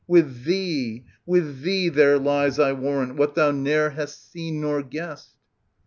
With thee, with thee there h'es, I warrant, what thou ne'er hast seen nor guessed.